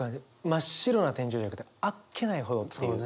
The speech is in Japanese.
「真っ白な天井」じゃなくて「あっけないほど」っていう。